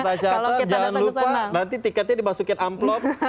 kita catat jangan lupa nanti tiketnya dimasukin amplop